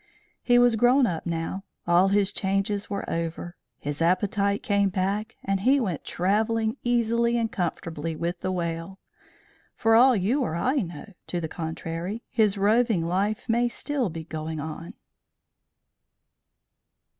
He was grown up now. All his changes were over. His appetite came back, and he went travelling easily and comfortably with the whale. For all you or I know to the contrary, his roving life may be still going on.